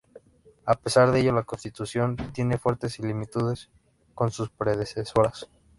A pasar de ello, la constitución tiene fuertes similitudes con sus predecesoras.